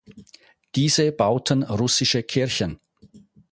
Diese bauten russische Kirchen.